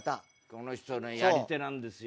この人ねやり手なんですよ。